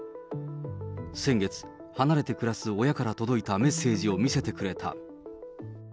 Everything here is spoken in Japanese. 先月、離れて暮らす親から届いたメッセージを見せてくれた。